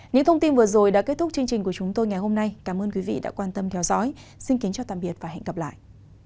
những thông tin vừa rồi đã kết thúc chương trình của chúng tôi ngày hôm nay cảm ơn quý vị đã quan tâm theo dõi xin kính chào tạm biệt và hẹn gặp lại